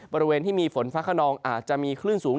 บริเวณที่มีฝนฟ้าขนองอาจจะมีคลื่นสูง